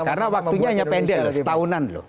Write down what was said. karena waktunya hanya pendek lah setahunan loh